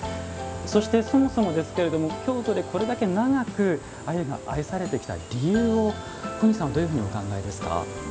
そしてそもそもですけれども京都でこれだけ長く鮎が愛されてきた理由を小西さんはどういうふうにお考えですか？